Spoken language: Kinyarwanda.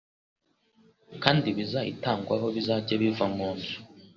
kandi ibizayitangwaho bizajye biva mu nzu